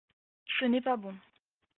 Ce n’est pas bon.